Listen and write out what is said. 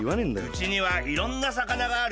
うちにはいろんなさかながあるよ。